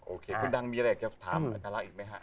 โอเคคุณดังมีอะไรอยากจะถามอาจารย์รักอีกไหมฮะ